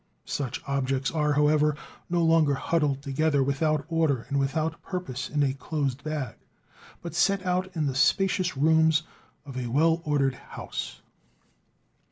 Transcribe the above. Such objects are, however, no longer huddled together without order and without purpose in a closed bag, but set out in the spacious rooms of a well ordered house.